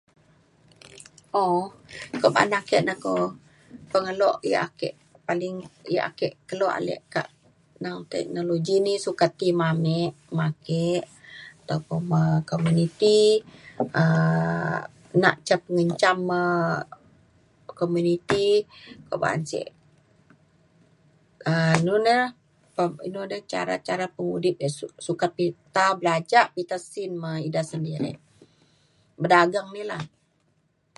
um kuak ba’an ake na ko pengelo yak ake paling yak ake kelo ale kak neng teknologi ni sukat ti me ame me ake atau pa me komuniti um nak ca pengencam um komuniti ko ba’an ce. um nu ne re ne inu de ca- cara cara pemudip yak su- sukat pita belajak mita sin me ida sendiri bedageng ni la.